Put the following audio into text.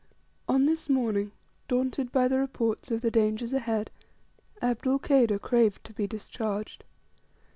On this morning, daunted by the reports of the dangers ahead, Abdul Kader craved to be discharged.